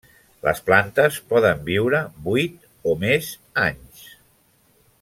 Les plantes poden viure vuit o més anys.